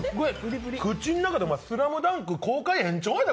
口ん中で「ＳＬＡＭＤＵＮＫ」公開延長やで？